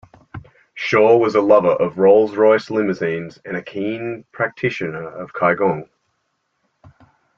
Shaw was a lover of Rolls-Royce limousines and a keen practitioner of qigong.